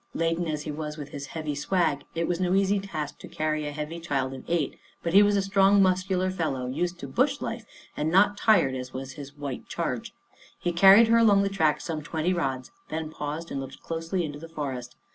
Laden as he was with his heavy swag, it was no easy task to carry a heavy child of eight, but he was a strong, muscular fellow, used to Bush life, and not tired as was his white charge. He carried her along the track some twenty rods, then paused and looked closely into the forest.